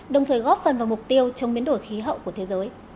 đồng thời góp phần vào mục tiêu chống biến đổi khí hậu của thế giới